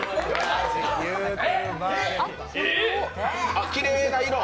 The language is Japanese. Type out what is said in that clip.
あ、きれいな色！